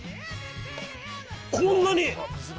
こんなに。